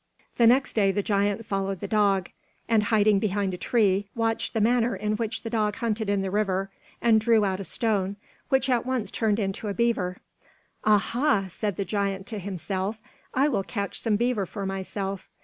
The next day the giant followed the dog, and hiding behind a tree, watched the manner in which the dog hunted in the river and drew out a stone, which at once turned into a beaver. "Ah, ha!" said the giant to himself, "I will catch some beaver for myself."